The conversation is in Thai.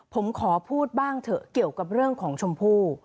ผมขอพูดบ้างเถอะเกี่ยวกับเรื่องของชมพู่